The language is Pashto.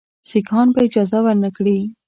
سیکهان به اجازه ورنه کړي.